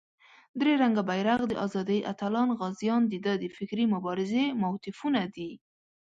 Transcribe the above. درې رنګه بېرغ، د آزادۍ اتلان، غازیان دده د فکري مبارزې موتیفونه دي.